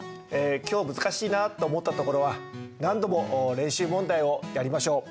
今日難しいなと思ったところは何度も練習問題をやりましょう。